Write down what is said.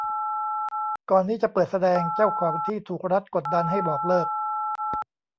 ก่อนนี้จะเปิดแสดง เจ้าของที่ถูกรัฐกดดันให้บอกเลิก